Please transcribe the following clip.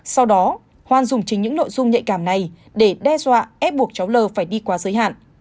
sau đó hoan dùng chính những nội dung nhạy cảm này để đe dọa ép buộc cháu l phải đi qua giới hạn